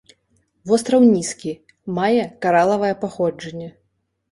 Востраў нізкі, мае каралавае паходжанне.